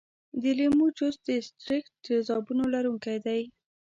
د لیمو جوس د ستریک تیزابونو لرونکی دی.